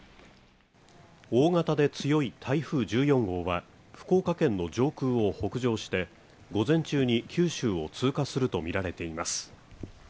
大型で強い台風１４号は福岡県の上空を北上して午前中に九州を通過するとみられています。